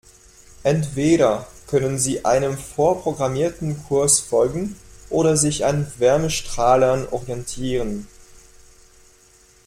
Entweder können sie einem vorprogrammierten Kurs folgen oder sich an Wärmestrahlern orientieren.